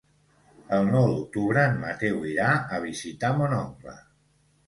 El nou d'octubre en Mateu irà a visitar mon oncle.